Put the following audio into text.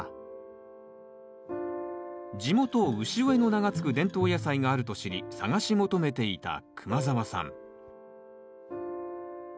地元「潮江」の名が付く伝統野菜があると知り探し求めていた熊澤さん